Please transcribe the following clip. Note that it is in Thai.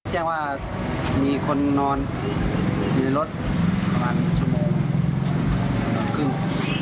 แจ้งว่ามีคนนอนอยู่ในรถประมาณชั่วโมงนอนครึ่ง